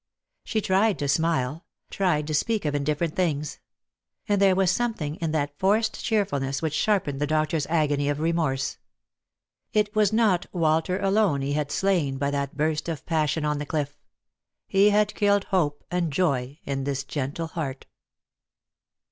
She tried to smile — tried to speak of indifferent things ; and there was something in that forced cheerfulness which sharpened the doctor's agony of remorse. It was not Walter alone he had slain by that burst of passion on the cliff — he had killed hope and joy in this gentle heart.